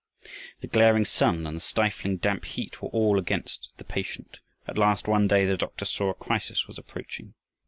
The glaring sun and the stifling damp heat were all against the patient. At last one day the doctor saw a crisis was approaching.